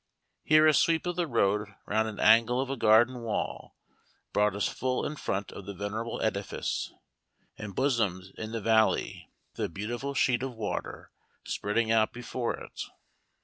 Here a sweep of the road round an angle of a garden wall brought us full in front of the venerable edifice, embosomed in the valley, with a beautiful sheet of water spreading out before it.